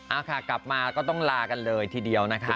อ่าค่ะกลับมาก็ต้องลากันเลยทีเดียวนะคะ